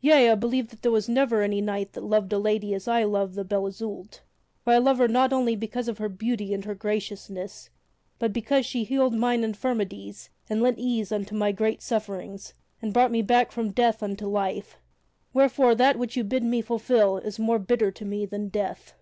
Yea; I believe that there was never any knight loved a lady as I love the Lady Belle Isoult. For I love her not only because of her beauty and graciousness, but because she healed mine infirmities and lent ease unto my great sufferings and brought me back from death unto life. Wherefore that which you bid me fulfil is more bitter to me than death."